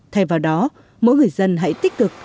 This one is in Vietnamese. thay vào đó mỗi người dân hãy tích cực